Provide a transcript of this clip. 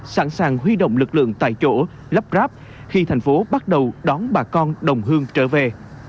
sẵn sàng huy động lực lượng tại chỗ lắp ráp khi thành phố bắt đầu đón bà con đồng hương trở về